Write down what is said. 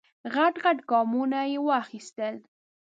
غټ غټ ګامونه یې واخیستل.